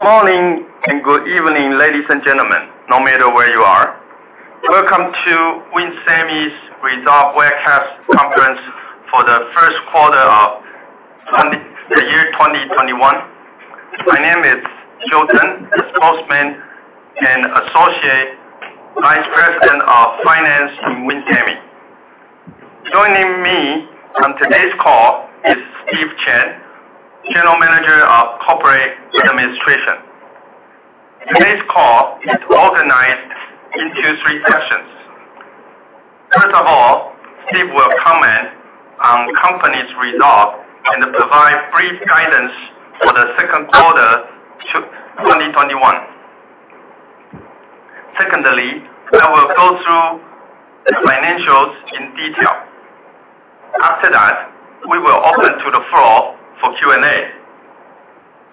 Good evening, ladies and gentlemen, no matter where you are. Welcome to WIN Semi's result webcast conference for the first quarter of the year 2021. My name is Joe Tsen, the spokesman and Associate Vice President of Finance in WIN Semi. Joining me on today's call is Steve Chen, General Manager of Corporate Administration. Today's call is organized into three sections. First of all, Steve will comment on the company's results and provide brief guidance for the second quarter to 2021. Secondly, I will go through the financials in detail. After that, we will open to the floor for Q&A.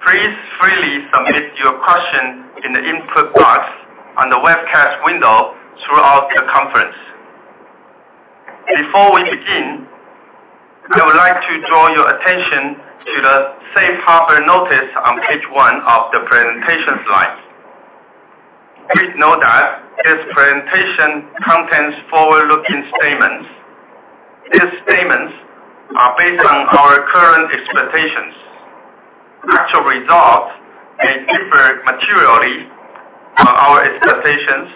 Please freely submit your question in the input box on the webcast window throughout the conference. Before we begin, I would like to draw your attention to the safe harbor notice on page one of the presentation slide. Please note that this presentation contains forward-looking statements. These statements are based on our current expectations. Actual results may differ materially from our expectations,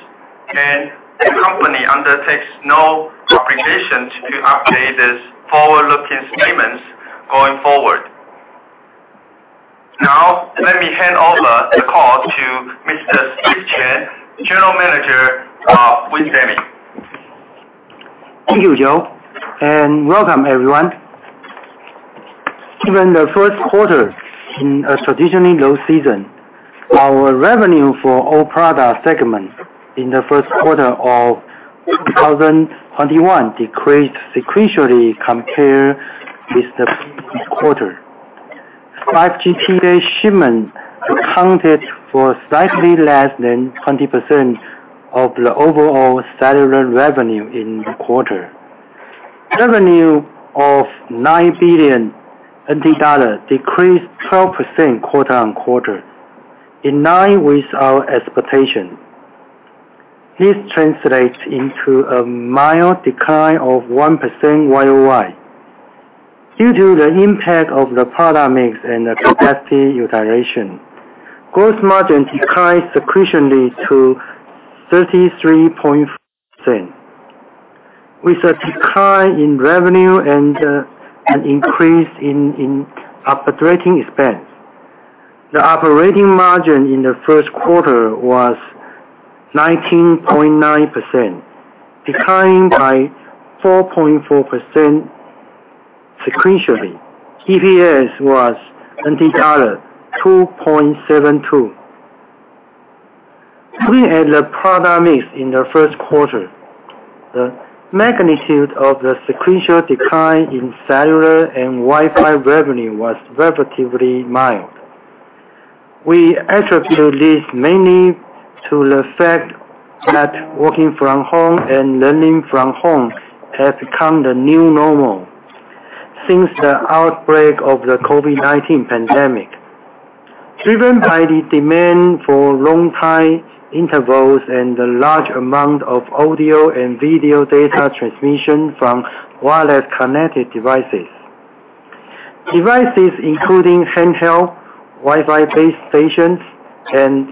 and the company undertakes no obligation to update these forward-looking statements going forward. Now, let me hand over the call to Mr. Steve Chen, General Manager of WIN Semi. Thank you, Joe, and welcome everyone. Given the first quarter in a traditionally low season, our revenue for all product segments in the first quarter of 2021 decreased sequentially compared with the previous quarter. 5G PA shipments accounted for slightly less than 20% of the overall cellular revenue in the quarter. Revenue of NT$ 9 billion decreased 12% quarter-on-quarter, in line with our expectation. This translates into a mild decline of 1% YOY. Due to the impact of the product mix and the capacity utilization, gross margin declined sequentially to 33.5%. With a decline in revenue and an increase in operating expense, the operating margin in the first quarter was 19.9%, declining by 4.4% sequentially. EPS was NT$ 2.72. Looking at the product mix in the first quarter, the magnitude of the sequential decline in cellular and Wi-Fi revenue was relatively mild. We attribute this mainly to the fact that working from home and learning from home have become the new normal since the outbreak of the COVID-19 pandemic, driven by the demand for long time intervals and the large amount of audio and video data transmission from wireless connected devices. Devices including handheld, Wi-Fi base stations, and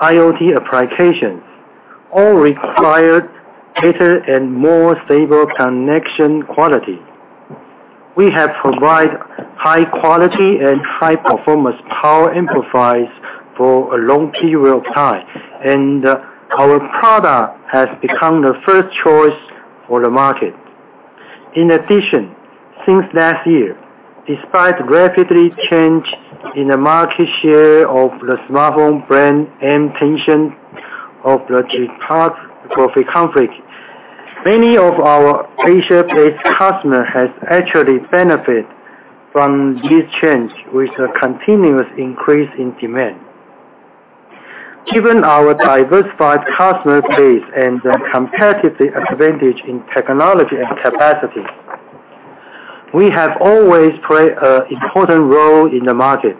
IoT applications, all require better and more stable connection quality. We have provided high quality and high performance power amplifiers for a long period of time, and our product has become the first choice for the market. Since last year, despite rapid changes in the market share of the smartphone brand and tension of the geopolitical conflict, many of our Asia-based customers have actually benefited from this change with a continuous increase in demand. Given our diversified customer base and the competitive advantage in technology and capacity, we have always played an important role in the market.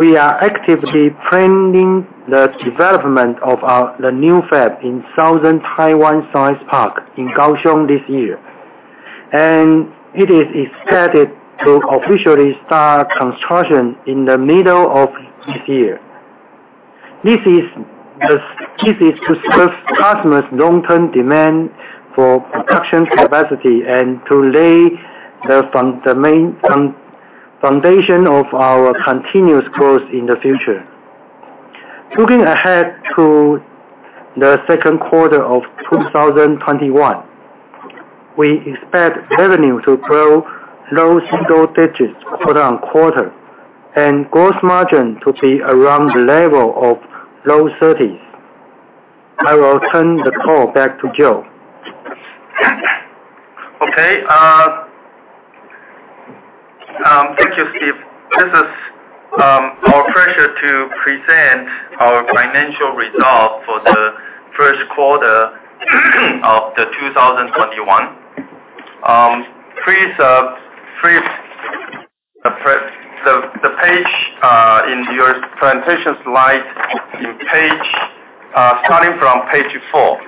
We are actively planning the development of the new fab in Southern Taiwan Science Park in Kaohsiung this year, and it is expected to officially start construction in the middle of this year. This is to serve customers' long-term demand for production capacity and to lay the foundation of our continuous growth in the future. Looking ahead to the second quarter of 2021, we expect revenue to grow low single digits quarter-on-quarter, and gross margin to be around the level of low 30s. I will turn the call back to Joe. Okay. Thank you, Steve. This is our pleasure to present our financial results for the first quarter of 2021. Please the page in your presentation slide starting from page four.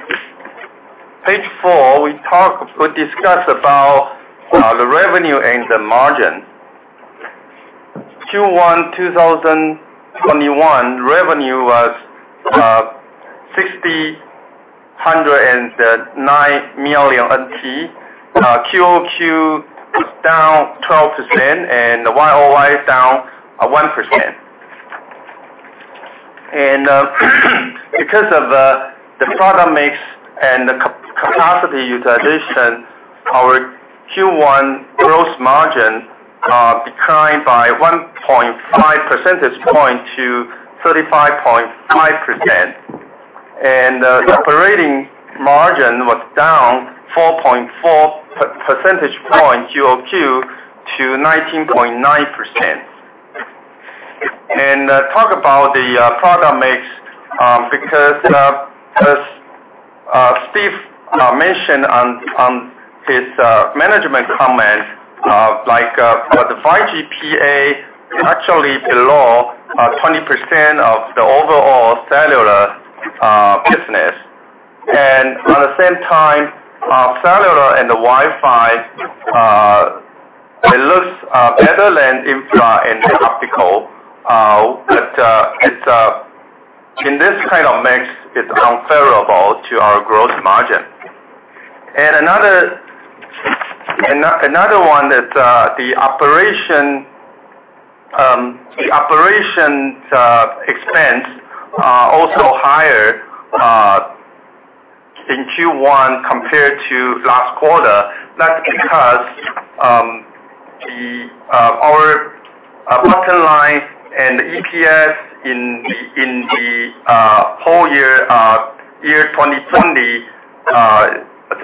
Page four, we discussed about the revenue and the margin. Q1 2021 revenue was NT$ 609 million, QOQ was down 12%, and the YOY is down 1%. Because of the product mix and the capacity utilization, our Q1 gross margin declined by 1.5 percentage point to 35.5%. The operating margin was down 4.4 percentage point QOQ to 19.9%. Talk about the product mix, because as Steve mentioned on his management comment, the 5G PA actually below 20% of the overall cellular business. At the same time, cellular and the Wi-Fi, it looks better than infra and optical, but in this kind of mix, it's unfavorable to our gross margin. Another one is the OpEx, also higher in Q1 compared to last quarter. That is because our bottom line and EPS in the whole year 2020,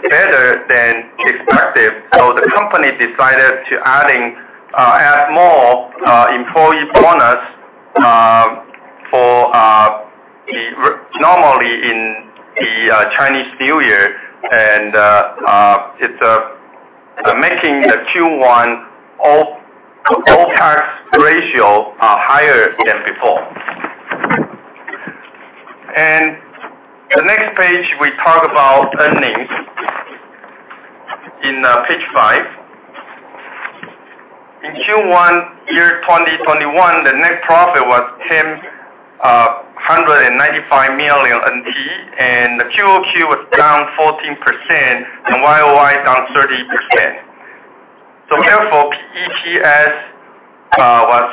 better than expected. The company decided to add more employee bonus normally in the Chinese New Year, and it is making the Q1 OpEx ratio higher than before. The next page, we talk about earnings in page five. In Q1 year 2021, the net profit was NT$ 1,095 million, the QOQ was down 14% and YOY down 30%. Therefore, EPS was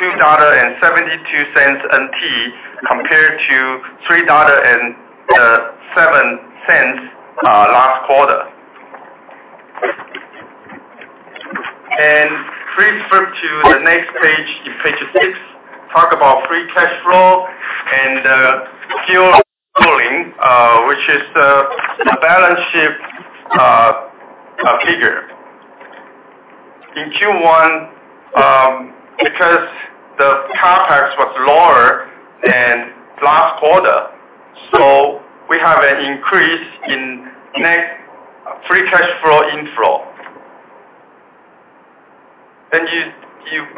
NT$ 2.72, compared to NT$ 3.07 last quarter. Please flip to the next page six. Talk about free cash flow and which is the balance sheet figure. In Q1, because the CapEx was lower than last quarter, we have an increase in net free cash flow inflow.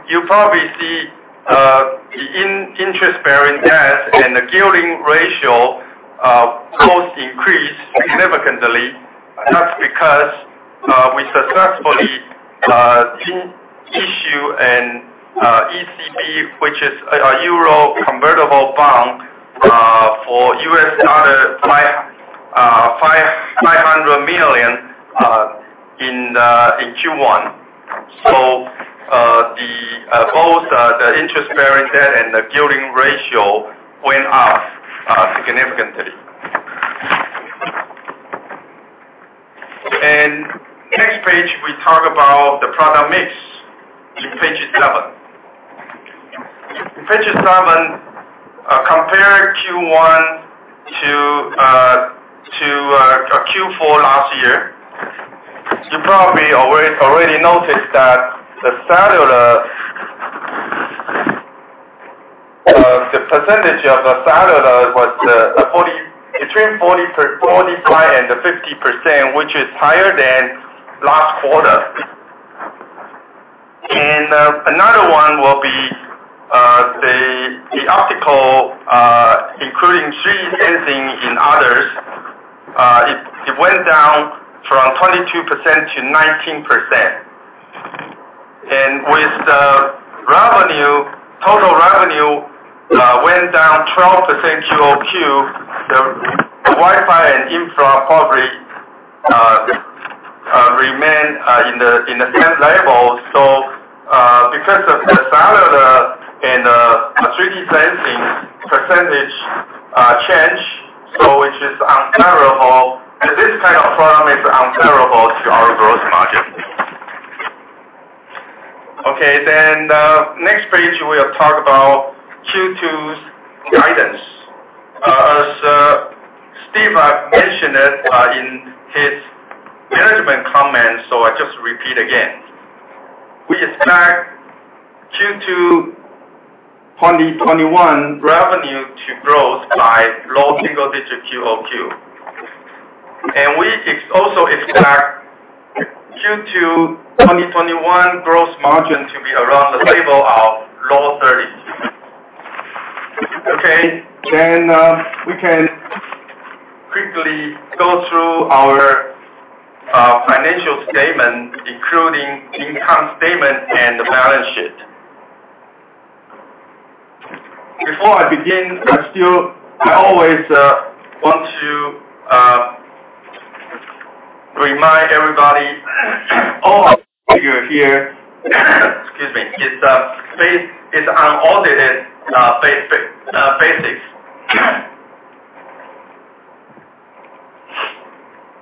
You probably see the interest-bearing debt and the gearing ratio both increased significantly. That's because we successfully did issue an ECB, which is a euro convertible bond, for $500 million in Q1. Both the interest-bearing debt and the gearing ratio went up significantly. Next page, we talk about the product mix in page seven. In page seven, compare Q1 to Q4 last year. You probably already noticed that the percentage of the cellular was between 45% and 50%, which is higher than last quarter. Another one will be the optical, including 3D sensing and others. It went down from 22% to 19%. With the total revenue went down 12% QOQ, the Wi-Fi and infra probably remain in the same level. Because of the cellular and the 3D sensing percentage change, this kind of product mix is unfavorable to our gross margin. Okay, next page, we'll talk about Q2's guidance. As Steve mentioned it in his management comments, I just repeat again. We expect Q2 2021 revenue to grow by. We also expect Q2 2021 gross margin to be around the level of low 30s. Okay. We can quickly go through our financial statement, including income statement and balance sheet. Before I begin, I always want to remind everybody, all the figures here excuse me, is on audited basis.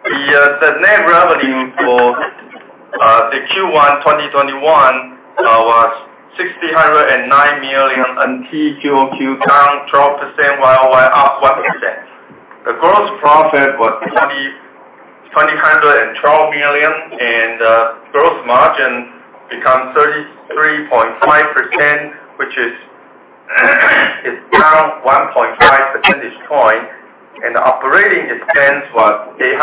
The net revenue for the Q1 2021 was NT$ 6,900 million, QoQ down 12%, YoY up 1%. The gross profit was NT$ 2,012 million, gross margin became 33.5%, which is down 1.5 percentage point, the operating expense was NT$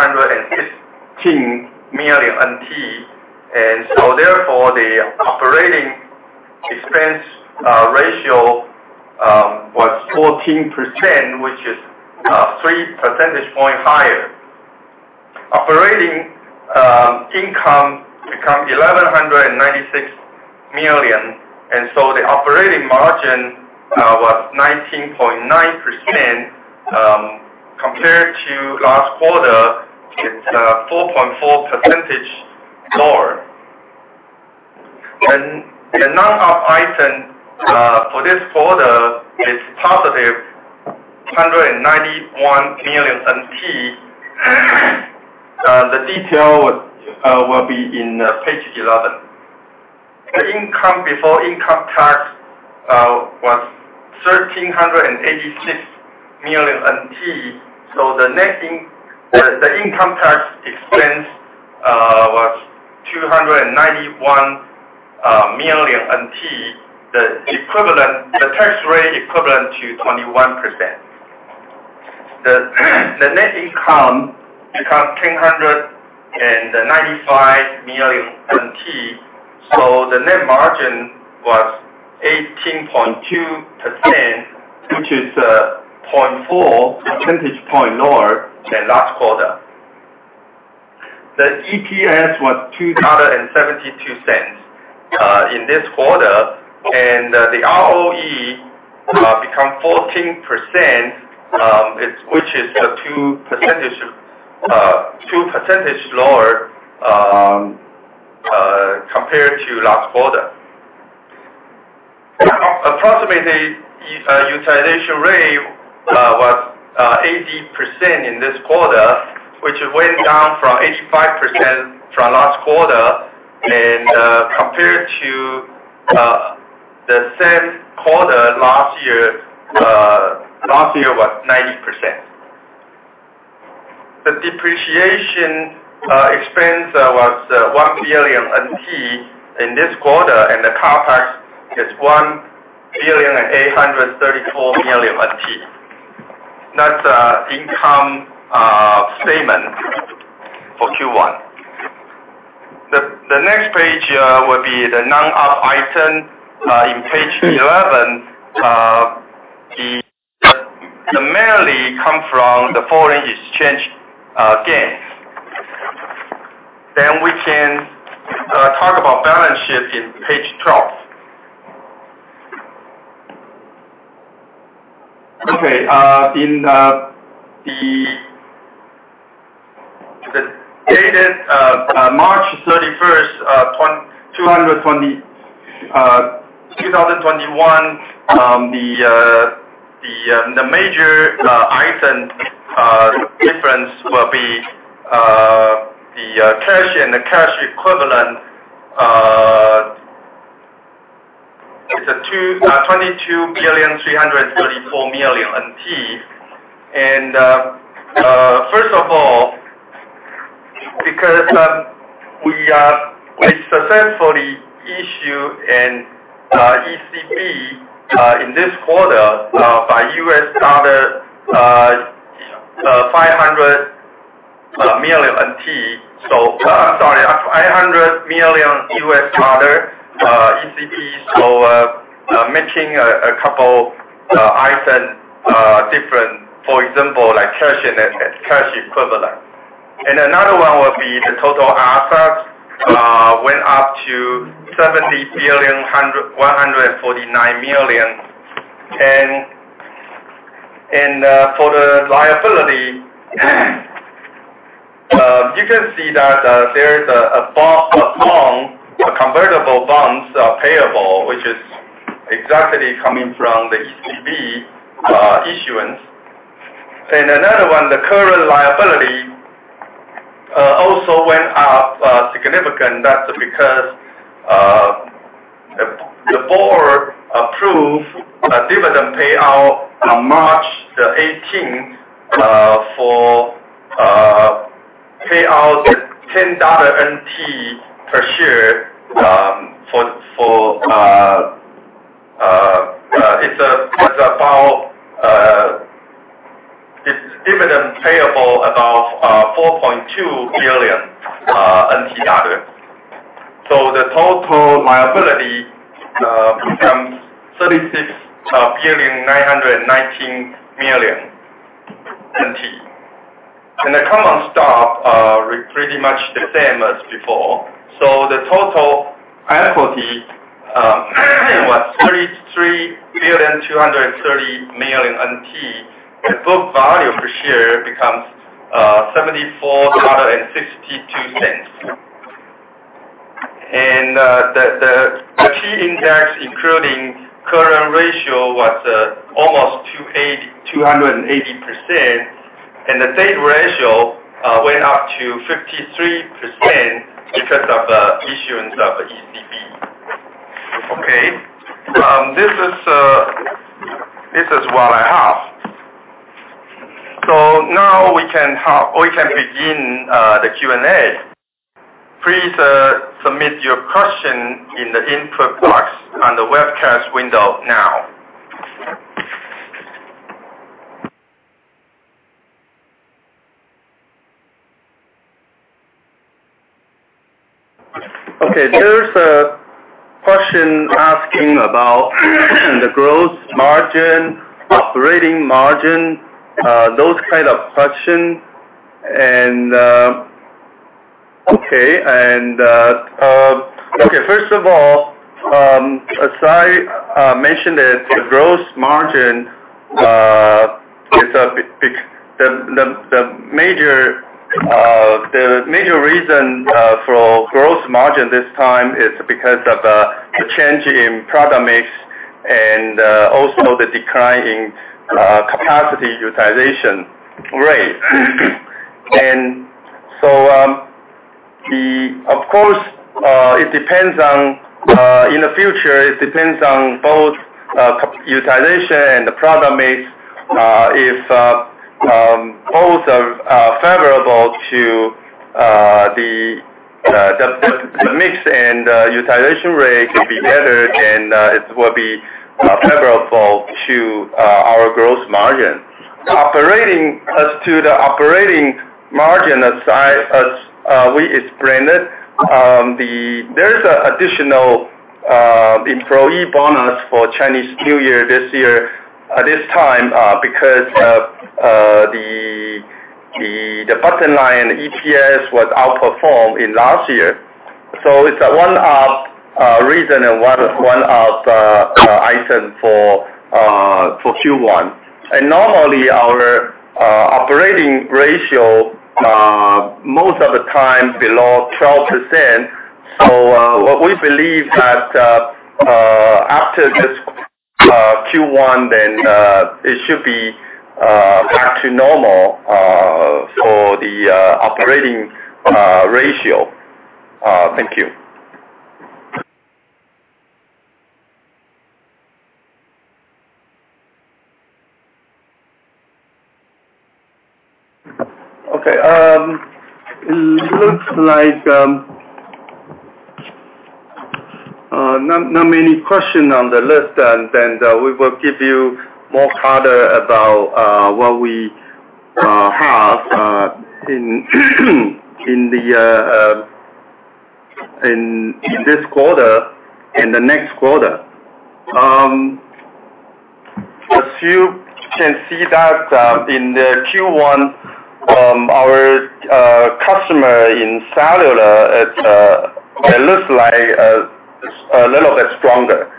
816 million. Therefore the operating expense ratio was 14%, which is 3 percentage point higher. Operating income become NT$ 1,196 million, the operating margin was 19.9%. Compared to last quarter, it's 4.4% lower. The non-op item for this quarter is positive NT$ 191 million. The detail will be in page 11. The income before income tax was NT$ 1,386 million. The income tax expense was NT$ 291 million. The tax rate equivalent to 21%. The net income become NT$ 1,095 million, the net margin was 18.2%, which is 0.4 percentage point lower than last quarter. The EPS was $2.72 in this quarter, and the ROE become 14%, which is 2 percentage lower compared to last quarter. Approximately, utilization rate was 80% in this quarter, which went down from 85% from last quarter and compared to the same quarter last year, last year was 90%. The depreciation expense was NT$ 1 billion in this quarter, and the CapEx is NT$ 1,834 million. That's the income statement for Q1. The next page will be the non-op item in page 11. It primarily comes from the foreign exchange gains. We can talk about balance sheet in page 12. Okay. In the dated March 31, 2021, the major item difference will be the cash and the cash equivalent. It's NT$ 22,334 million. First of all, because we successfully issued an ECB in this quarter by $500 million. I'm sorry. $500 million ECB, so making a couple item different. For example, like cash and cash equivalent. Another one will be the total assets went up to NT$ 70,149 million. For the liability, you can see that there is a bond, a convertible bonds payable, which is exactly coming from the ECB issuance. Another one, the current liability also went up significant. That's because the board approved a dividend payout on March the 18th for NT$ 10 per share. This dividend payable about NT$ 4.2 billion. The total liability becomes NT$ 36.919 billion. The common stock are pretty much the same as before. The total equity was NT$ 33.230 billion. The book value per share becomes NT$ 74.62. The key index, including current ratio, was almost 280%, and the debt ratio went up to 53% because of the issuance of ECB. Okay. This is what I have. Now we can begin the Q&A. Please submit your question in the input box on the webcast window now. Okay, there's a question asking about the gross margin, operating margin, those kind of questions. Okay. As I mentioned, the gross margin, the major reason for gross margin this time is because of the change in product mix, the decline in capacity utilization rate. Of course, in the future, it depends on both utilization and the product mix. If both are favorable to the mix, and utilization rate will be better, it will be favorable to our gross margin. As to the operating margin, as we explained it, there is additional employee bonus for Chinese New Year this year at this time, because the bottom line EPS was outperformed in last year. It's one reason and one item for Q1. Normally our operating ratio most of the time below 12%. What we believe that after this Q1, it should be back to normal for the operating ratio. Thank you. Okay. It looks like not many questions on the list. We will give you more color about what we have in this quarter and the next quarter. As you can see that in the Q1, our customer in cellular, it looks like a little bit stronger.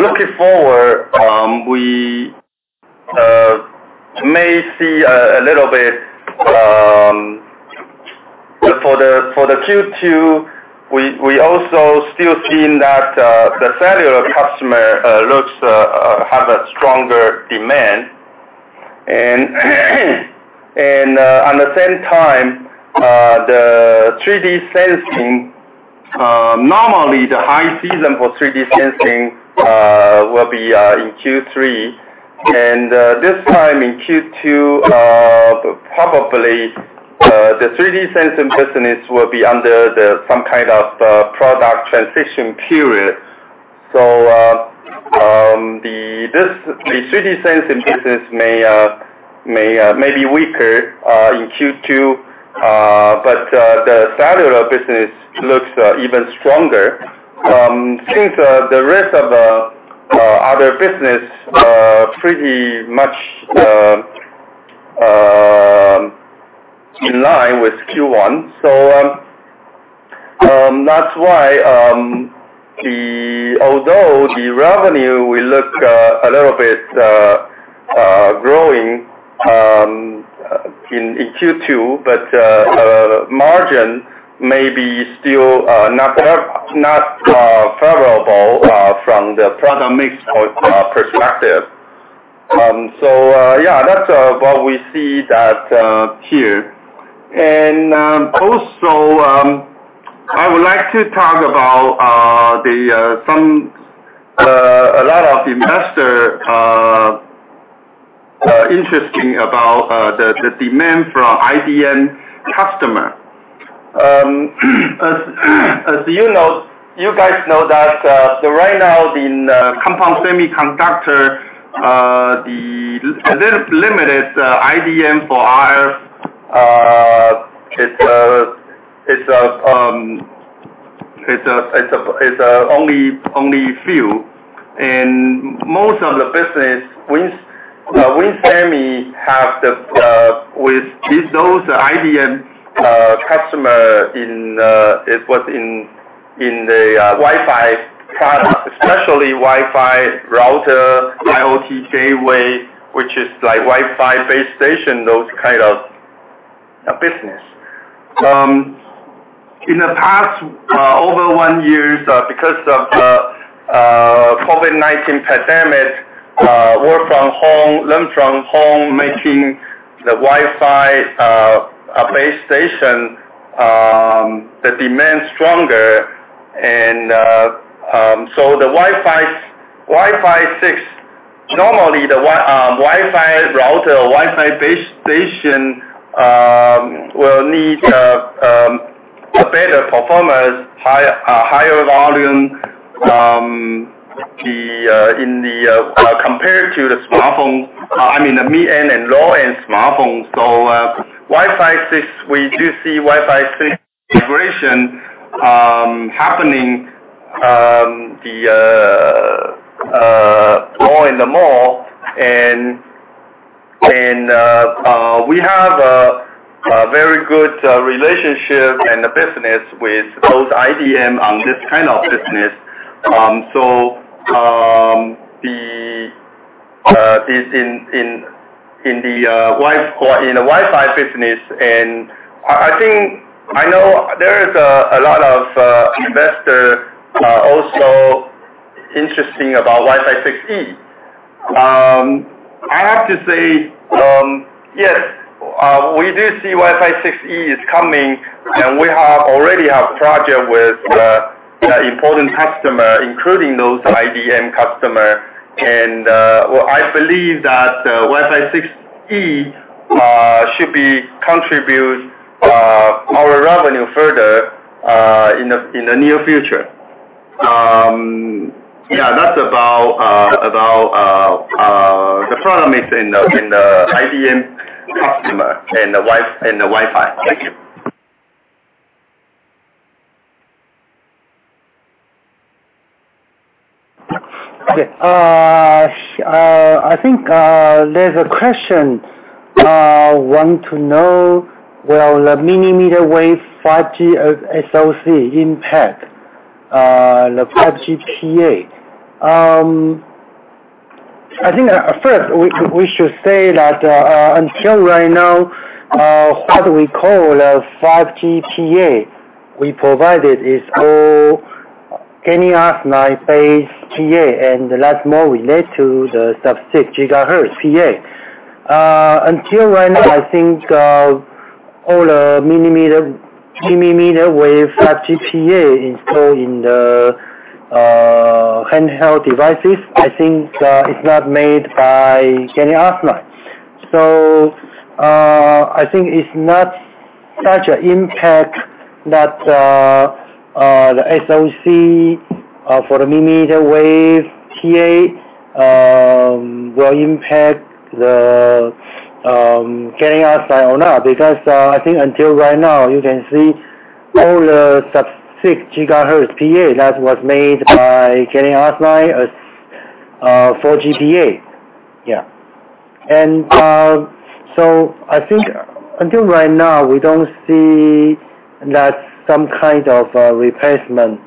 Looking forward, for the Q2, we also still seeing that the cellular customer looks have a stronger demand. At the same time, the 3D sensing, normally the high season for 3D sensing will be in Q3. This time in Q2, probably the 3D sensing business will be under some kind of product transition period. The 3D sensing business may be weaker in Q2. The cellular business looks even stronger. Since the rest of other business pretty much in line with Q1. That's why although the revenue will look a little bit growing in Q2, but margin may be still not favorable from the product mix point perspective. Yeah, that's what we see that here. Also, I would like to talk about a lot of investor Interesting about the demand from IDM customer. As you guys know that right now in compound semiconductor, the limited IDM for RF, it's only few, and most of the business, WIN Semiconductors have those IDM customer, it was in the Wi-Fi product, especially Wi-Fi router, IoT gateway, which is like Wi-Fi base station, those kind of business. In the past, over one year, because of the COVID-19 pandemic, work from home, learn from home, making the Wi-Fi base station, the demand stronger. The Wi-Fi 6, normally the Wi-Fi router or Wi-Fi base station, will need a better performance, higher volume, compared to the smartphone, I mean the mid-end and low-end smartphone. We do see Wi-Fi 6 integration happening more and more, and we have a very good relationship and business with those IDM on this kind of business. In the Wi-Fi business, and I know there is a lot of investors also interested about Wi-Fi 6E. I have to say, yes, we do see Wi-Fi 6E is coming, and we already have project with important customer, including those IDM customer, and, I believe that Wi-Fi 6E should contribute our revenue further, in the near future. That's about the product mix in the IDM customer and the Wi-Fi. Thank you. Okay. I think, there's a question, want to know, will the mmWave 5G SoC impact the 5G PA? I think first, we should say that, until right now, what we call a 5G PA we provided is all gallium arsenide-based PA, and that more relate to the sub-6 GHz PA. Until right now, I think, all the mmWave 5G PA installed in the handheld devices, I think, is not made by gallium arsenide. I think it's not such an impact that the SoC for the mmWave PA, will impact the gallium arsenide or not, because, I think until right now, you can see all the sub-6 GHz PA that was made by gallium arsenide for GaAs PA. Yeah. I think until right now, we don't see that some kind of replacement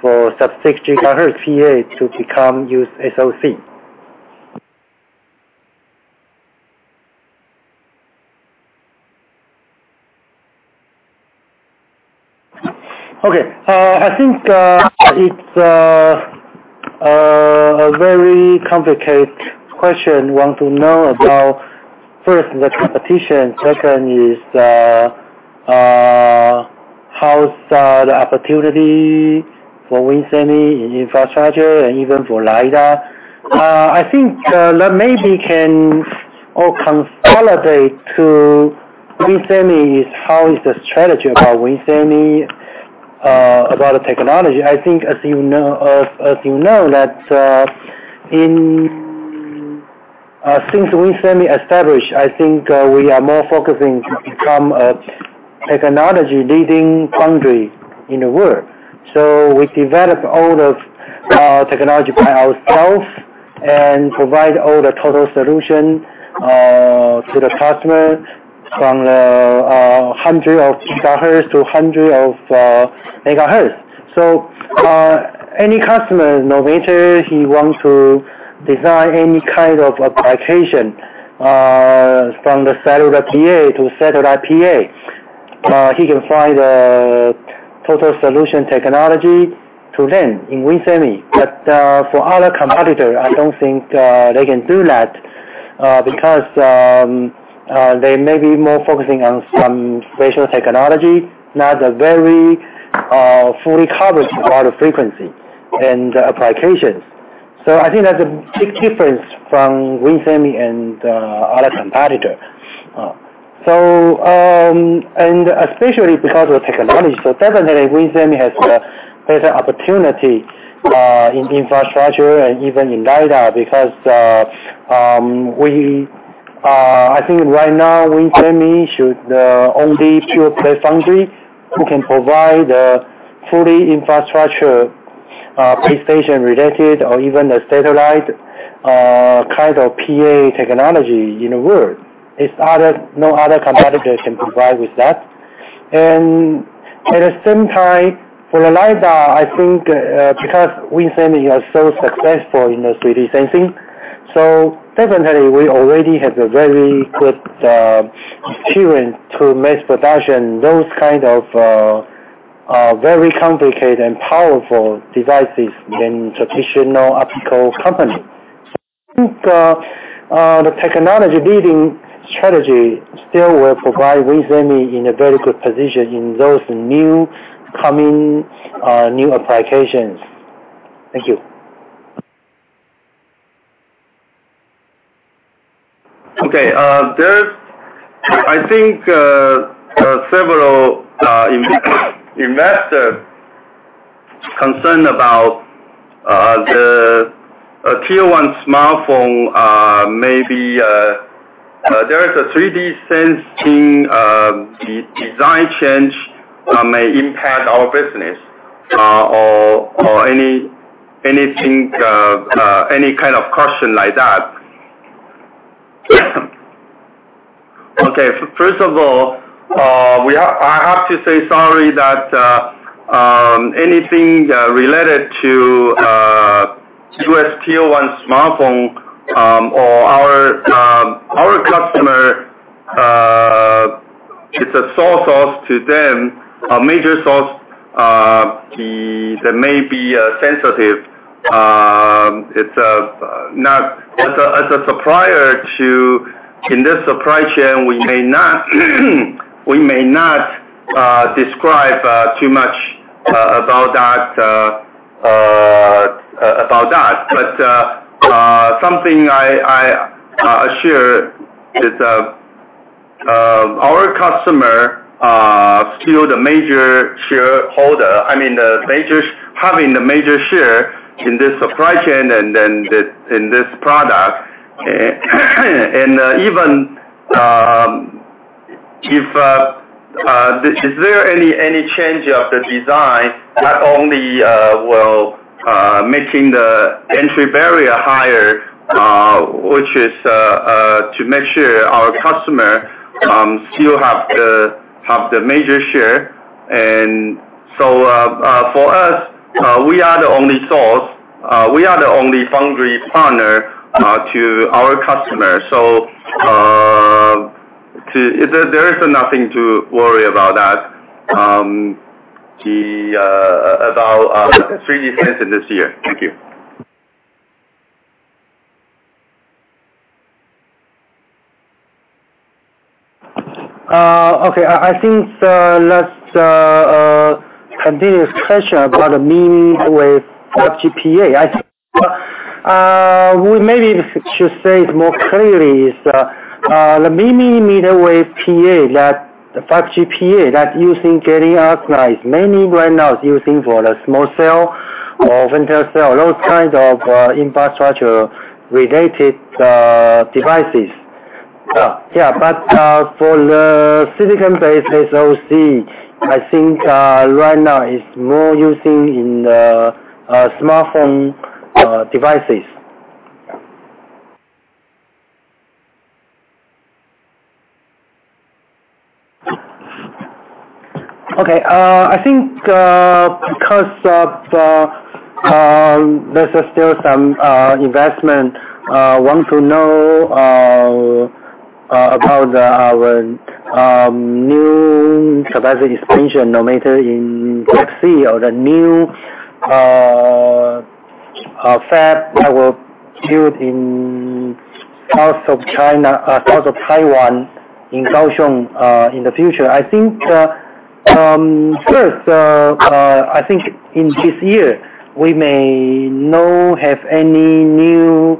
for sub-6 GHz PA to become used SoC. Okay. I think, it's a very complicated question, want to know about first, the competition, second is, how's the opportunity for WIN Semi in infrastructure and even for LiDAR. I think that maybe can all consolidate to how is the strategy about WIN Semi, about the technology. I think as you know that since WIN Semi established, I think we are more focusing to become a technology leading company in the world. We develop all the technology by ourselves and provide all the total solution to the customer from the 100 GHz to 100 MHz. Any customer, no matter he wants to design any kind of application, from the cellular PA to satellite PA, he can find the total solution technology to them in WIN Semi. For other competitor, I don't think they can do that, because they may be more focusing on some special technology, not the very fully coverage of all the frequency and applications. I think that's a big difference from WIN Semiconductors and other competitor. Especially because of technology, so definitely WIN Semiconductors has a better opportunity in infrastructure and even in LiDAR, because I think right now WIN Semiconductors should only pure-play foundry who can provide fully infrastructure base station related or even a satellite kind of PA technology in the world. No other competitor can provide with that. At the same time, for the LiDAR, I think, because WIN Semiconductors are so successful in the 3D sensing, so definitely we already have a very good experience to mass production those kind of very complicated and powerful devices than traditional optical company. I think the technology leading strategy still will provide WIN Semiconductors in a very good position in those new coming new applications. Thank you. Okay. There's, I think, several investors concerned about the tier one smartphone, maybe there is a 3D sensing design change may impact our business, or any kind of question like that. Okay. First of all, I have to say sorry that anything related to U.S. tier one smartphone, or our customer, it's a sole source to them, a major source, that may be sensitive. As a supplier, in this supply chain, we may not describe too much about that. Something I assure is, our customer still the major shareholder, I mean, having the major share in this supply chain and in this product. Even if there is any change of the design, that only will making the entry barrier higher, which is to make sure our customer still have the major share. For us, we are the only source, we are the only foundry partner to our customer. There is nothing to worry about that, about the 3D sensor this year. Thank you. Okay. I think let's continue discussion about the mmWave 5G PA. I think we maybe should say it more clearly is, the millimeter wave PA, that the 5G PA, that using gallium arsenide, many right now is using for the small cell or femtocell, those kind of infrastructure related devices. Yeah. For the silicon-based SoC, I think right now is more using in the smartphone devices. Okay. I think because of the there's still some investment, want to know about our new capacity expansion, no matter in Fab C or the new fab that will build in south of Taiwan, in Kaohsiung, in the future. I think, first, I think in this year, we may not have any new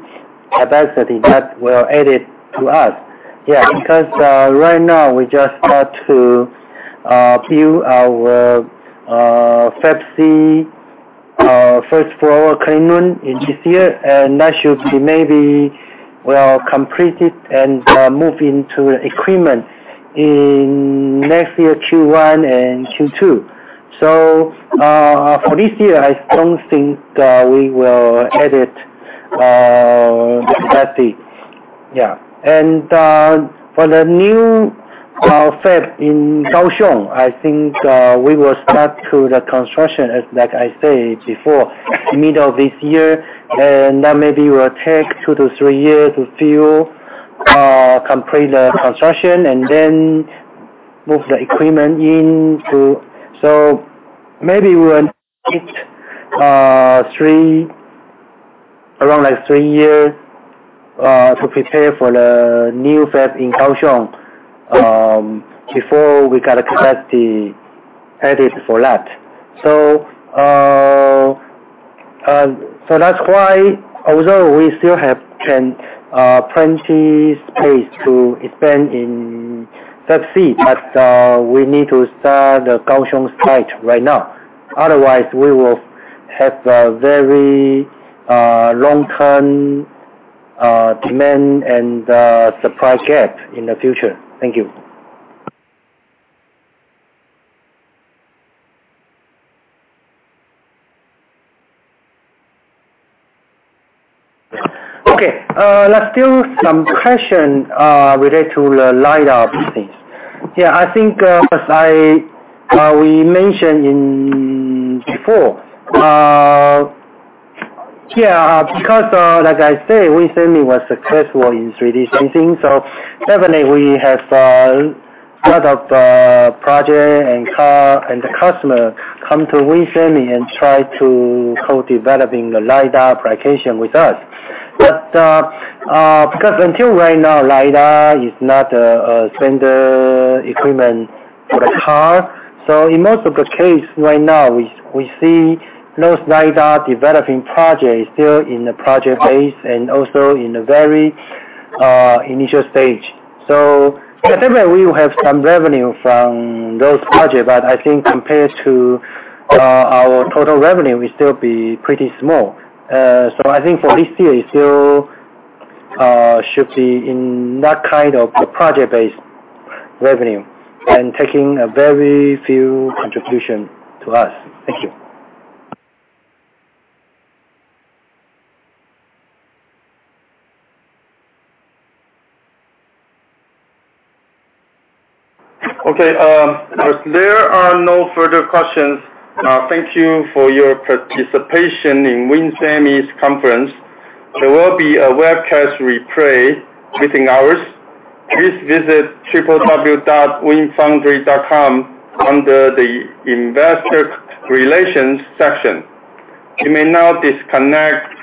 capacity that will added to us. Right now we just start to build our Fab C first floor clean room in this year, that should be maybe will complete it and move into equipment in next year Q1 and Q2. For this year, I don't think we will add it capacity. Yeah. For the new fab in Kaohsiung, I think we will start to the construction, as like I said before, middle of this year, that maybe will take two to three years to complete the construction, then move the equipment in too. Maybe we will need three years to prepare for the new fab in Kaohsiung before we got the capacity added for that. That's why, although we still have plenty space to expand in Fab C, but we need to start the Kaohsiung site right now. Otherwise, we will have a very long-term demand and supply gap in the future. Thank you. Okay. There are still some questions related to the LiDAR business. Yeah, I think as we mentioned before, because like I said, WIN Semi was successful in 3D sensing, so definitely we have a lot of projects and the customer come to WIN Semi and try to co-developing the LiDAR application with us. Because until right now, LiDAR is not a standard equipment for the car, so in most of the case right now, we see those LiDAR developing projects still in the project phase and also in the very initial stage. Definitely, we will have some revenue from those projects, but I think compared to our total revenue, it will still be pretty small. I think for this year, it still should be in that kind of project-based revenue and taking a very few contribution to us. Thank you. Okay. As there are no further questions, thank you for your participation in WIN Semi's conference. There will be a webcast replay within hours. Please visit www.winfoundry.com under the investor relations section. You may now disconnect.